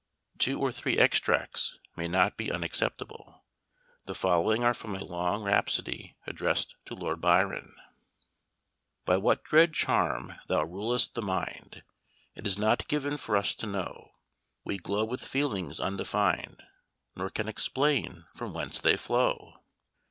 Two or three extracts may not be unacceptable. The following are from a long rhapsody addressed to Lord Byron: "By what dread charm thou rulest the mind It is not given for us to know; We glow with feelings undefined, Nor can explain from whence they flow.